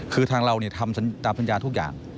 คือทางเราทำตามสัญญาทุกอย่าง